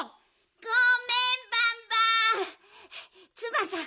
ごめんバンバン。